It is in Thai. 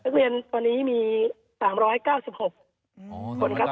เรียนตอนนี้มี๓๙๖คนครับ